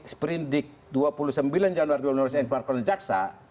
sprint dict dua puluh sembilan januari dua ribu dua puluh satu yang dikeluarkan oleh jaksa